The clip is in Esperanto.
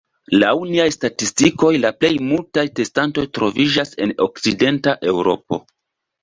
Laŭ niaj statikistoj, la plej multaj testantoj troviĝas en okcidenta Eŭropo.